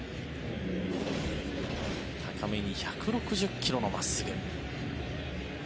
高めに１６０ｋｍの真っすぐ。